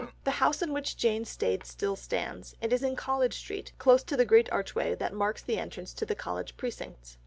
The house in which Jane stayed still stands, it is in College Street, close to the great archway that marks the entrance to the College precincts.